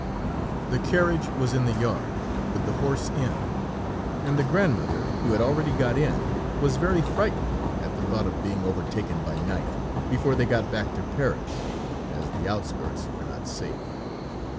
The carriage was in the yard, with the horse in, and the grandmother, who had already got in, was very frightened at the thought of being overtaken by night, before they got back to Paris, as the outskirts were not safe.